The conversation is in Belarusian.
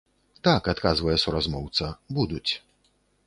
Так, адказвае суразмоўца, будуць.